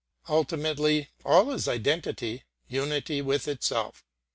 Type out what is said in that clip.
Ultimately, all is identity, unity with itself.